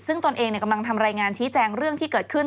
ซึ่งตนเองกำลังทำรายงานชี้แจงเรื่องที่เกิดขึ้น